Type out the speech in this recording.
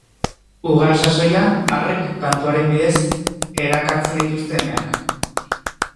Ugal sasoian, arrek kantuaren bidez erakartzen dituzte emeak.